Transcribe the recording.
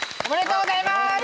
おめでとうございます！